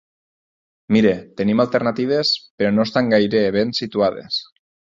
Miri, tenim alternatives, però no estan gaire ben situades.